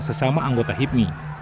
sesama anggota hipmi